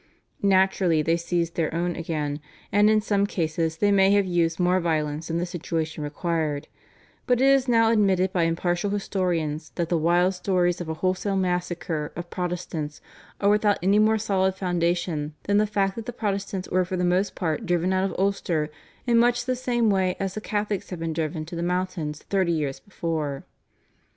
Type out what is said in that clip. Naturally they seized their own again, and in some cases they may have used more violence than the situation required, but it is now admitted by impartial historians that the wild stories of a wholesale massacre of Protestants are without any more solid foundation than the fact that the Protestants were for the most part driven out of Ulster in much the same way as the Catholics had been driven to the mountains thirty years before.